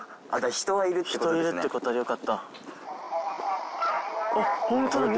人いるってことはよかった。